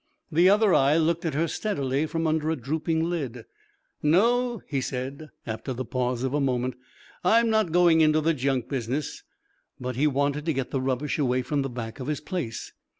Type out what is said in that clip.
The other eye looked at her steadily from under a drooping lid. "No," he said, after the pause of a moment, "I'm not going into the junk business." But he wanted to get the rubbish away from the back of his place.